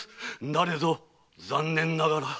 なれど残念ながら。